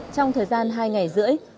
trong thời gian hai ngày rưỡi